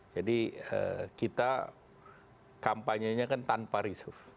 jadi kita kampanyenya kan tanpa risuf